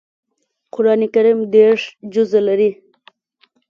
قران کریم دېرش جزء لري